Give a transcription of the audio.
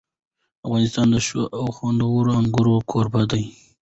افغانستان د ښو او خوندورو انګورو کوربه دی.